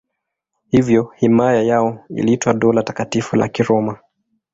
Hivyo himaya yao iliitwa Dola Takatifu la Kiroma.